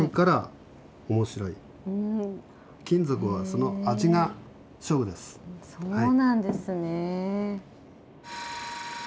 そうなんですね。